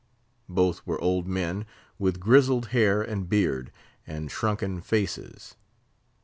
Both were old men, with grizzled hair and beard, and shrunken faces.